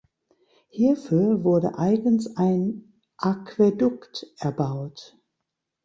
Hierfür wurde eigens ein Aquädukt erbaut.